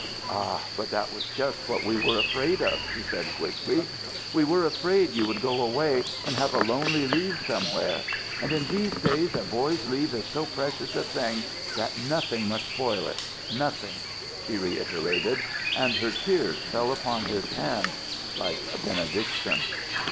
"Ah, but that was just what we were afraid of," she said quickly. "We were afraid you would go away and have a lonely leave somewhere. And in these days a boy's leave is so precious a thing that nothing must spoil it nothing," she reiterated; and her tears fell upon his hands like a benediction.